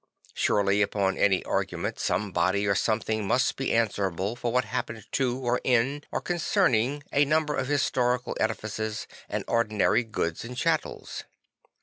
Surely upon any argument somebody or something must be answerable for what happened to or in or con cerning a number of historic edifices and ordinary goods and chattels.